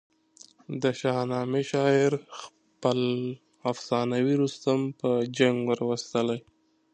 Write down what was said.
د شاهنامې شاعر خپل افسانوي رستم په جنګ وروستلی.